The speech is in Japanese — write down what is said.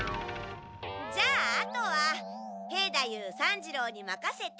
じゃああとは兵太夫三治郎にまかせて。